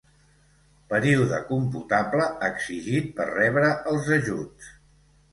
Període computable exigit per rebre els ajuts.